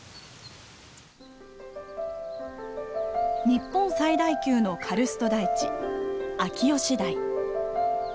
日本最大級のカルスト台地秋吉台。